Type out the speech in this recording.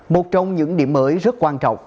một trong những điểm mới rất quan trọng